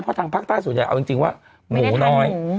เพราะทางภาคใต้ส่วนใหญ่เอาจริงว่าหมูน้อย